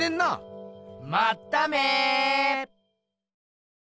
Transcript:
まっため！